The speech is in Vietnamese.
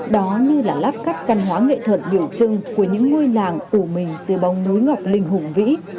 đó như là lát cắt văn hóa nghệ thuật biểu trưng của những ngôi làng ủ mình dưới bóng núi ngọc linh hùng vĩ